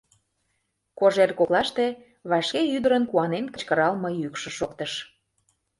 Кожер коклаште вашке ӱдырын куанен кычкыралме йӱкшӧ шоктыш.